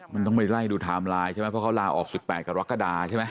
มันต้องไปไล่ดูทายไลน์เพราะเขาลาออก๑๘กับรักษะดาใช่ไหม